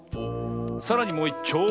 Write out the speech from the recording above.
さらにもういっちょう。